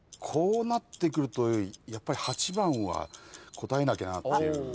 こうなってくるとやっぱり８番は答えなきゃなっていう。